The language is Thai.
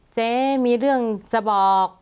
เจ๊มีเรื่องจะบอก